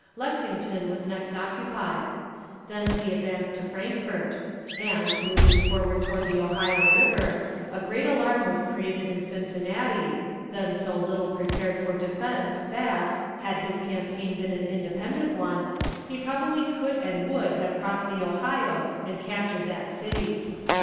Lexington was next occupied; thence he advanced to Frankfort; and, moving forward toward the Ohio River, a great alarm was created in Cincinnati, then so little prepared for defense that, had his campaign been an independent one, he probably could and would have crossed the Ohio and captured that city.